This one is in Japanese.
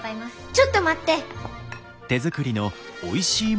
ちょっと待って！